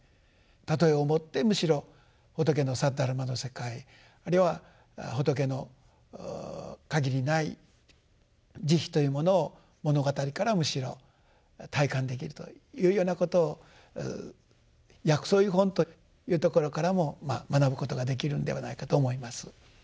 譬えをもってむしろ仏の「サッダルマ」の世界あるいは仏の限りない慈悲というものを物語からむしろ体感できるというようなことを「薬草喩品」というところからも学ぶことができるのではないかと思います。